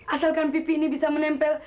asalkan pipi ini bisa menempel